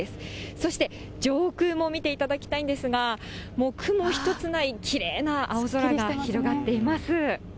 そして上空も見ていただきたいんですが、もう雲一つない、きれいな青空が広がっています。